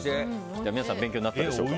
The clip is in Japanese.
皆さん勉強になったでしょうか。